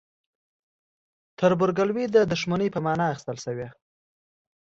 تربورګلوي د دښمنۍ په معنی اخیستل شوی.